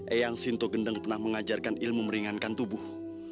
eyang sinto gendeng pernah mengajarkan ilmu meringankan tubuh